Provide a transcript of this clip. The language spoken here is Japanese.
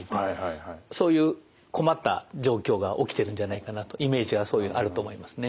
そういう困った状況が起きてるんじゃないかなとイメージはあると思いますね。